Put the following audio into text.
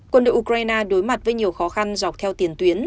quân đội ukraine đối mặt với nhiều khó khăn dọc theo tiền tuyến